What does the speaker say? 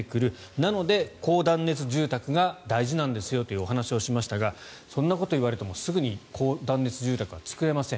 なので、高断熱住宅が大事なんですという話をしましたがそんなこと言われてもすぐに高断熱住宅は作れません。